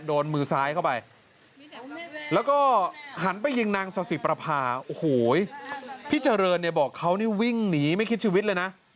โดนมือซ้ายเข้าไปแล้วก็หันไปยิงนางซาสิประพาโอ้โหพี่เจริญเนี่ยบอกเขานี่วิ่งหนีไม่คิดชีวิตเลยนะ